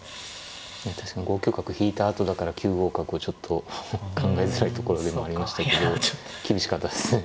確かに５九角引いたあとだから９五角をちょっと考えづらいところでもありましたけど厳しかったですね。